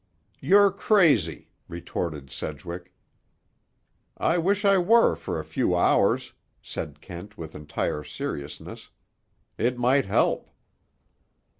"You're crazy!" retorted Sedgwick. "I wish I were for a few hours," said Kent with entire seriousness. "It might help."